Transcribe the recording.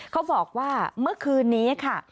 เขาบอกว่าเมื่อคืนนี้ค่ะ